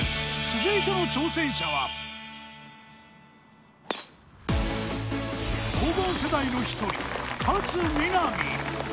続いての挑戦者は黄金世代の１人、勝みなみ。